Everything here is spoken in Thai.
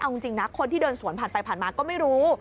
เอาจริงนะคนที่เดินสวนผ่านไปผ่านมาก็ไม่รู้